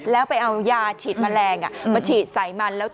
แล้วไปเอายาฉีดแมลงมาฉีดสายมัน